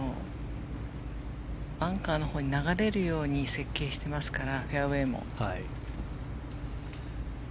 バンカーのほうに流れるように設計してますからフェアウェーも。